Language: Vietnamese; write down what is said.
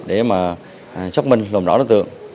để mà xác minh lùng đỏ đối tượng